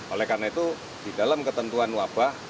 oleh karena itu di dalam ketentuan wabah